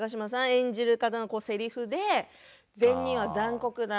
演じる方のせりふで善人は残酷だ。